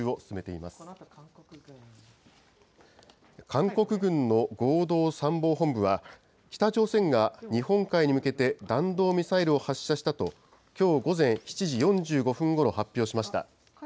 韓国軍の合同参謀本部は、北朝鮮が日本海に向けて、弾道ミサイルを発射したと、きょう午前７時４５分ごろ発表しました。